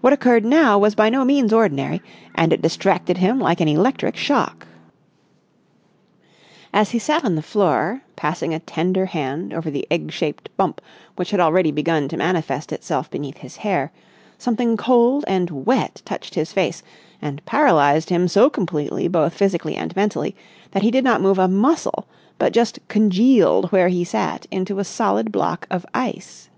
What occurred now was by no means ordinary, and it distracted him like an electric shock. As he sat on the floor, passing a tender hand over the egg shaped bump which had already begun to manifest itself beneath his hair, something cold and wet touched his face, and paralysed him so completely both physically and mentally that he did not move a muscle but just congealed where he sat into a solid block of ice.